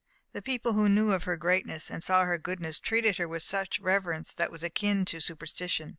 The people, who knew of her greatness and saw her goodness, treated her with a reverence that was akin to superstition.